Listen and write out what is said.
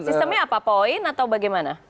sistemnya apa poin atau bagaimana